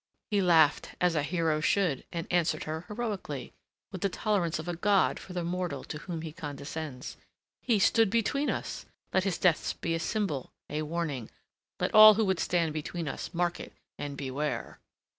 He laughed, as a hero should; and answered her heroically, with the tolerance of a god for the mortal to whom he condescends: "He stood between us. Let his death be a symbol, a warning. Let all who would stand between us mark it and beware."